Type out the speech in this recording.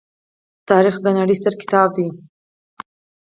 تاریخ د نړۍ ستر کتاب دی.